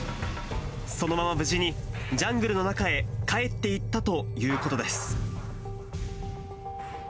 そのまま無事にジャングルの中へ帰っていったということです。